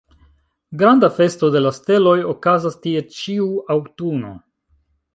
Granda festo de la steloj okazas tie ĉiu aŭtuno.